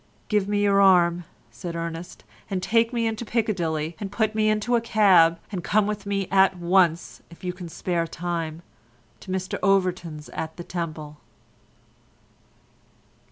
"Give me your arm," said Ernest, "and take me into Piccadilly, and put me into a cab, and come with me at once, if you can spare time, to Mr Overton's at the Temple."